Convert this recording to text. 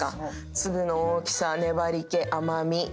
粒の大きさ粘り気甘味。